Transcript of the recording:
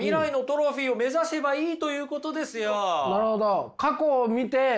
なるほど。